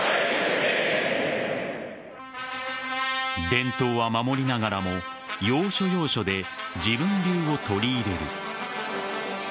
伝統は守りながらも要所要所で自分流を取り入れる。